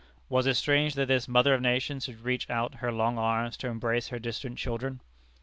Was it strange that this mother of nations should reach out her long arms to embrace her distant children?